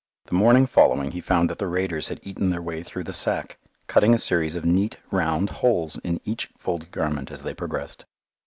The morning following he found that the raiders had eaten their way through the sack, cutting a series of neat round holes in each folded garment as they progressed.